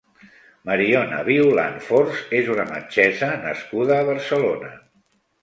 Mariona Violán Fors és una metgessa nascuda a Barcelona.